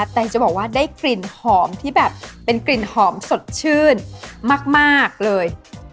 แต่จะบอกว่าได้กลิ่นหอมที่แบบเป็นกลิ่นหอมสดชื่นมากเลย